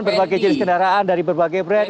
berbagai jenis kendaraan dari berbagai brand